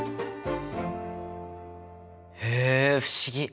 へえ不思議！